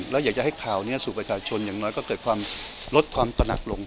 แล้วอยากจะให้ข่าวนี้สู่ประชาชนอย่างน้อยก็เกิดความลดความตระหนักลง